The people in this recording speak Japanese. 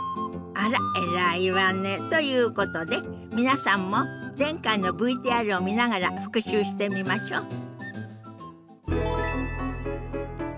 あら偉いわね。ということで皆さんも前回のＶＴＲを見ながら復習してみましょ。